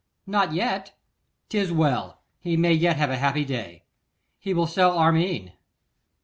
'Not yet.' ''Tis well; he may yet have a happy day. He will sell Armine.